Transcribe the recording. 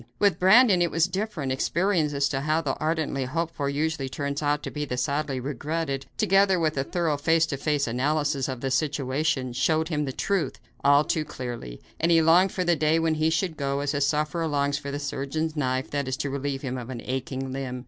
With Brandon it was different; experience as to how the ardently hoped for usually turns out to be the sadly regretted, together with a thorough face to face analysis of the situation, showed him the truth, all too clearly, and he longed for the day when he should go, as a sufferer longs for the surgeon's knife that is to relieve him of an aching limb.